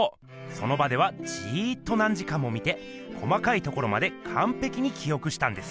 その場ではじっと何時間も見て細かいところまでかんぺきにきおくしたんです。